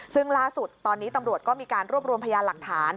ซึ่งล่าสุดตอนนี้ตำรวจก็มีการรวบรวมพยานหลักฐาน